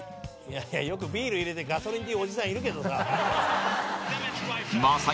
いや、よくビール入れてガソリンって言うおじさんいるけどさ。